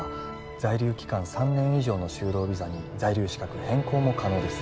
在留期間３年以上の就労ビザに在留資格変更も可能です